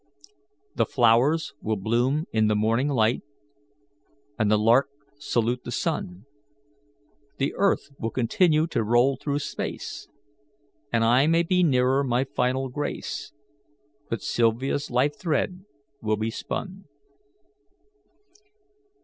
The flowers will bloom in the morning light, And the lark salute the sun, The earth will continue to roll through space, And I may be nearer my final grace, But Sylvia's life thread will be spun.